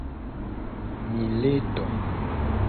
Mi le do.